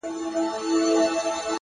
وخ شراب وخ – وخ – وخ! مستي ويسو پر ټولو!